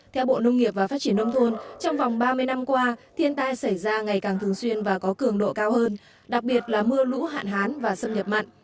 theo bộ nông nghiệp và phát triển nông thôn trong vòng ba mươi năm qua thiên tai xảy ra ngày càng thường xuyên và có cường độ cao hơn đặc biệt là mưa lũ hạn hán và xâm nhập mặn